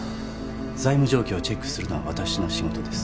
財務状況をチェックするのは私の仕事です